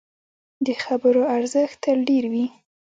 د خبرو ارزښت تل ډېر وي